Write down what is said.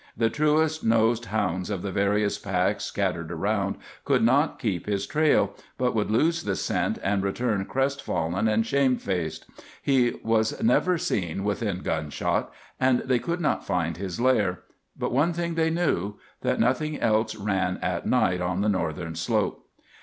The truest nosed hounds of the various packs scattered around could not keep his trail, but would lose the scent and return crest fallen and shame faced. He was never seen within gunshot, and they could not find his lair. But one thing they knew—that nothing else ran at night on the northern slope.